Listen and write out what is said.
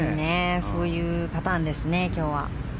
そういうパターンですね今日は。